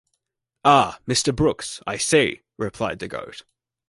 'Ah, Mr. Brooks, I see,' replied the goat.